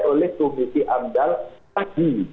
oleh komisi amdal lagi